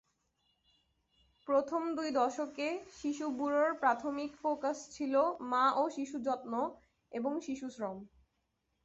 প্রথম দুই দশকে শিশু ব্যুরোর প্রাথমিক ফোকাস ছিল মা ও শিশু যত্ন এবং শিশুশ্রম।